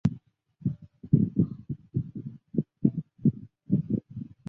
但迄今无直接的证据显示汞齐材料确会引起环境污染或危及使用者的健康。